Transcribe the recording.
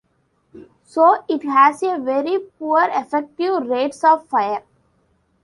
So it has a very poor effective rate of fire.